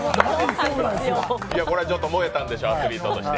これは燃えたんでしょ、アスリートとして。